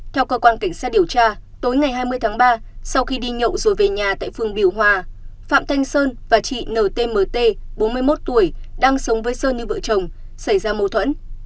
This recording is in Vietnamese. theo cơ quan cảnh sát điều tra tối ngày hai mươi tháng ba sau khi đi nhậu rồi về nhà tại phường biểu hòa phạm thanh sơn và chị ntmt bốn mươi một tuổi đang sống với sơn như vợ chồng xảy ra mâu thuẫn